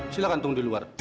silahkan tunggu di luar